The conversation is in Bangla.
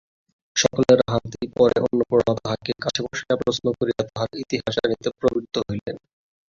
সকলের আহারাদির পরে অন্নপূর্ণা তাহাকে কাছে বসাইয়া প্রশ্ন করিয়া তাহার ইতিহাস জানিতে প্রবৃত্ত হইলেন।